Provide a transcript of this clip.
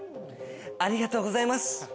ありがとうございます。